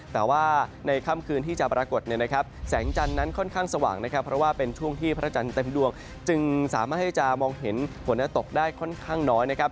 แต่ว่าในค่ำคืนที่จะปรากฏเนี่ยนะครับแสงจันทร์นั้นค่อนข้างสว่างนะครับเพราะว่าเป็นช่วงที่พระจันทร์เต็มดวงจึงสามารถที่จะมองเห็นฝนตกได้ค่อนข้างน้อยนะครับ